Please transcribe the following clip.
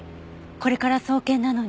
これから送検なのに。